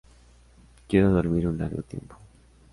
Quiero dormir un largo tiempo.